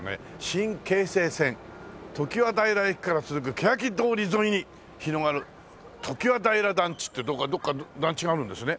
新京成線常盤平駅から続くけやき通り沿いに広がる常盤平団地ってどこか団地があるんですね。